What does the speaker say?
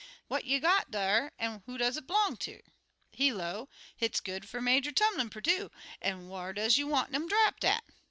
What you got dar, an' who do it 'blong ter?' He low, 'Hit's goods fer Major Tumlin Perdue, an' whar does you want um drapped at?'